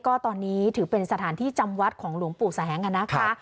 ก็ตอนนี้ถือเป็นสถานที่จำวัดของหลวงปู่แสงอะนะคะ